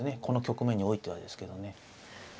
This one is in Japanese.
この局面においてはですけどね。